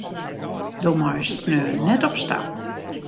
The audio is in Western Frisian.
Do meist sneon net op stap.